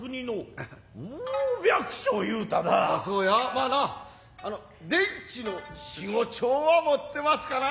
まあなあの田地の四五町は持ってますかな。